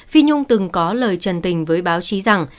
phi nhung từng có lời trần tình với báo chí rằng